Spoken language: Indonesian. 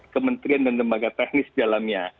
kementerian dan lembaga teknis dalamnya